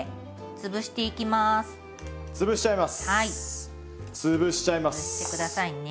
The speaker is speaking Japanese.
潰して下さいね。